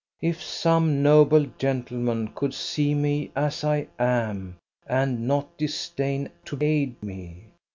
"If some noble gentleman could see me as I am and not disdain to aid me!